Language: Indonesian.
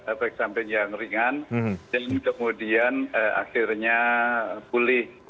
efek samping yang ringan dan kemudian akhirnya pulih